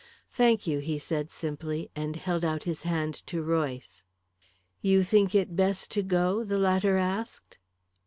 "Thank you," he said simply, and held out his hand to Royce. "You think it best to go?" the latter asked.